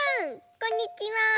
こんにちは！